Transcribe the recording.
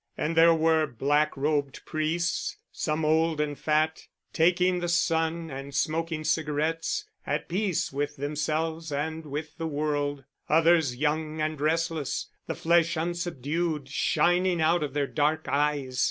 And there were black robed priests, some old and fat, taking the sun and smoking cigarettes, at peace with themselves and with the world; others young and restless, the flesh unsubdued shining out of their dark eyes.